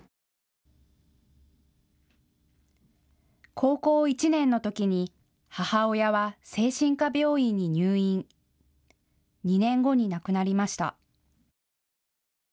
高校１年のときに母親は精神科病院に入院、２年後に亡くなりました。